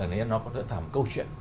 nó có một câu chuyện